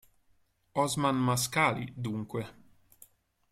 Osman Mascali, dunque.